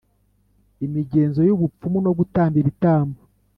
Imigenzo y ubupfumu no gutamba ibitambo